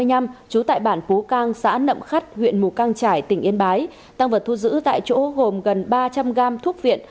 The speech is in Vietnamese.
năm một nghìn chín trăm tám mươi năm trú tại bản phú cang xã nậm khắt huyện mù cang trải tỉnh yên bái tăng vật thu giữ tại chỗ gồm gần ba trăm linh g thuốc phiện